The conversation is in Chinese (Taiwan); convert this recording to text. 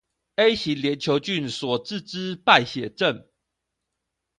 A 型鏈球菌所致之敗血症